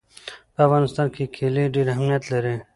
په افغانستان کې کلي ډېر اهمیت لري.